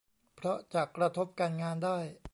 เพราะจะกระทบการงานได้